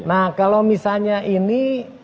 nah kalau misalnya ini